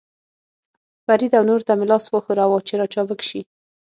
فرید او نورو ته مې لاس وښوراوه، چې را چابک شي.